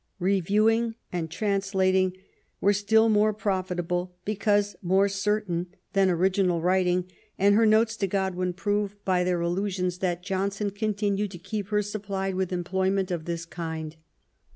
Reviewing and translating were still more profitable, because more certain, than original writing; and her notes to Godwin prove by their allusions that Johnson continued to keep her supplied with employment of this kind.